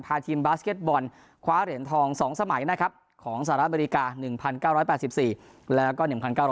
พาทีมบาร์ซเค็ตบอลคว้าเหรียญทองสองสมัยของสหรัฐอเมริกา๑๙๘๔แล้วก็๑๙๙๒